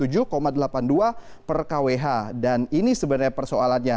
jadi ini adalah persoalannya